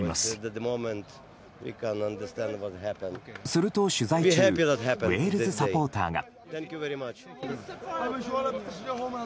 すると、取材中ウェールズサポーターが。